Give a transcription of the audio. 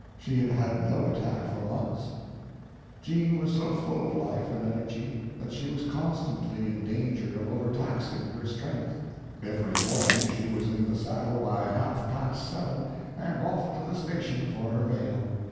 She had had no attack for months. Jean was so full of life and energy that she was constantly in danger of overtaxing her strength. Every morning she was in the saddle by half past seven, and off to the station for her mail.